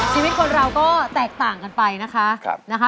ชีวิตคนเราก็แตกต่างกันไปนะคะ